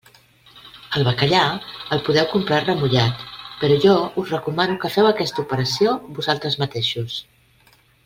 El bacallà el podeu comprar remullat, però jo us recomano que feu aquesta operació vosaltres mateixos.